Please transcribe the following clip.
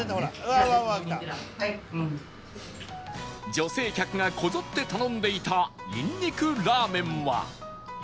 女性客がこぞって頼んでいたにんにくラーメンは